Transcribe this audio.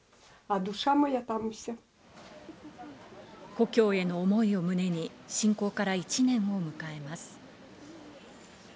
故郷への思いを胸に、侵攻から１年を迎えます。